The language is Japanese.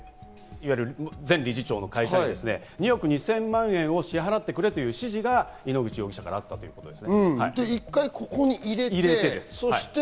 いわゆるここから、こちらの籔本前理事長の会社に２億２０００万円を支払ってくれという指示が井ノ口容疑者からあったということです。